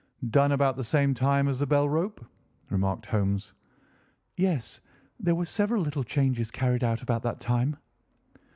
"Done about the same time as the bell rope?" remarked Holmes. "Yes, there were several little changes carried out about that time."